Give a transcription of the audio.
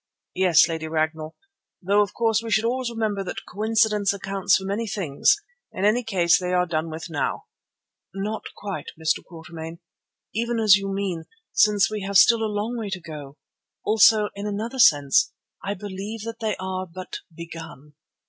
"Yes, Lady Ragnall, though of course we should always remember that coincidence accounts for many things. In any case they are done with now." "Not quite, Mr. Quatermain, even as you mean, since we have still a long way to go. Also in another sense I believe that they are but begun."